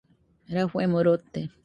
Rafuemo rote.